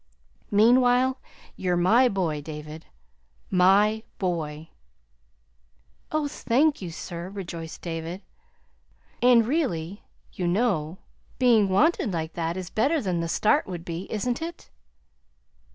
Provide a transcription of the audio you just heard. Meanwhile, you're my boy, David, my boy!" "Oh, thank you, sir," rejoiced David. "And, really, you know, being wanted like that is better than the start would be, isn't it?"